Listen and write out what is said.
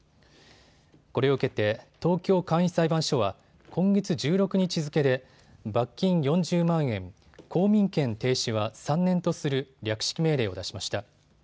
これを受けて東京簡易裁判所は今月１６日付けで罰金４０万円、公民権停止は３年とする略式命令を出しました。